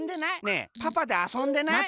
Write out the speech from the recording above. ねえパパであそんでない？